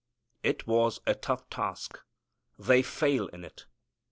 It was a tough task. They fail in it.